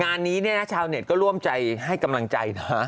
งานนี้เนี่ยนะชาวเน็ตก็ร่วมใจให้กำลังใจนะ